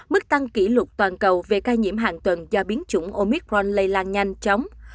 mức tăng kỷ lục toàn cầu về ca nhiễm hàng tuần do biến chủng omicron lây lan nhanh chóng